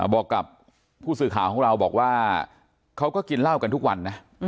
บอกกับผู้สื่อข่าวของเราบอกว่าเขาก็กินเหล้ากันทุกวันนะ